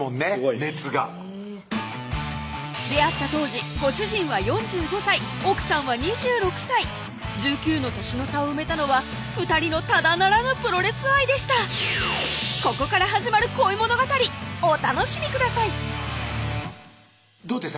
熱が出会った当時ご主人は４５歳奥さんは２６歳１９の歳の差を埋めたのは２人のただならぬプロレス愛でしたここから始まる恋物語お楽しみくださいどうでした？